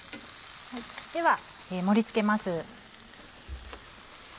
では盛り付けます。